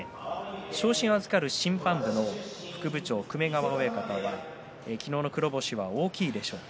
昇進を預かる審判部の副部長の粂川親方は昨日の黒星は大きいでしょうと。